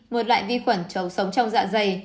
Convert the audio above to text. một loại vi khuẩn chống sống trong dạ dày